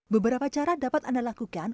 beberapa cara dapat anda lakukan